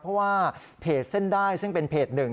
เพราะว่าเพจเส้นได้ซึ่งเป็นเพจหนึ่ง